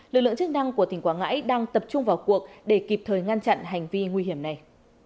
lực lượng chức năng của tỉnh quảng ngãi đang tập trung vào cuộc để kịp thời ngăn chặn hành vi nguy hiểm này